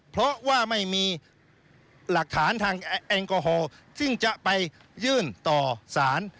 เพราะว่าไม่มีหลักฐานทางแอลกอฮอลซึ่งจะไปยื่นต่อสาร